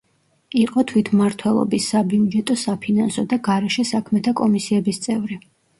იყო თვითმმართველობის, საბიუჯეტო-საფინანსო და გარეშე საქმეთა კომისიების წევრი.